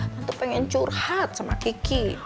tentu pengen curhat sama kiki